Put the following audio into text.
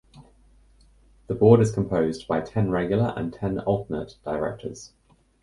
The board is composed by ten regular and ten alternate directors.